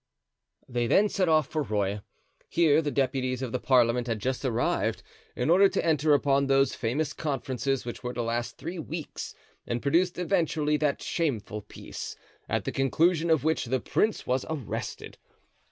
They then set off for Rueil. Here the deputies of the parliament had just arrived, in order to enter upon those famous conferences which were to last three weeks, and produced eventually that shameful peace, at the conclusion of which the prince was arrested.